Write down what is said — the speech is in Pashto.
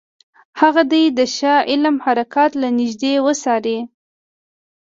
هغه دې د شاه عالم حرکات له نیژدې وڅاري.